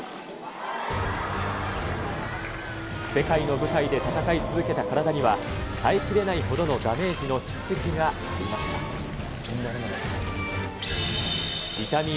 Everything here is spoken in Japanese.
世界の舞台で戦い続けた体には、耐えきれないほどのダメージの蓄積がありました。